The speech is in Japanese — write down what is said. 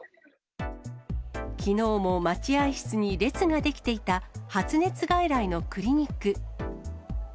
きのうも待合室に列が出来ていた発熱外来のクリニック。